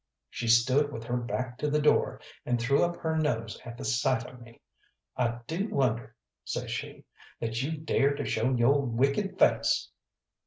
she stood with her back to the door, and threw up her nose at the sight of me "I du wonder," says she, "that you dare to show yo' wicked face!"